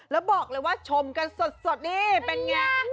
แล้วบอกเลยว่าชมกันสดดีเป็นอย่างไร